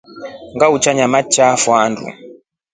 Ngahotania mateta yafo handu.